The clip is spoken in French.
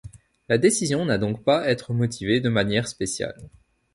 La décision n'a donc pas être motivée de manière spéciale.